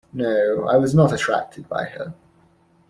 No; I was not attracted by her.